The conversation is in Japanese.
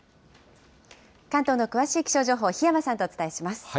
関東の詳しい気象情報、檜山さんとお伝えします。